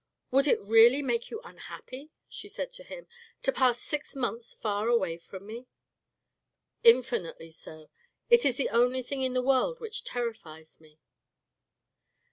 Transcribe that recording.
" Would it really make you unhappy," she said to him, "to pass six months far away from me?" "Infinitely so. It is the only thing in the world which terrifies me."